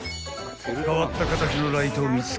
［変わった形のライトを見つけ］